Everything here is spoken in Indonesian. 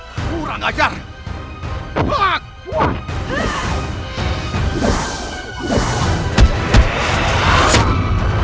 aku akan menang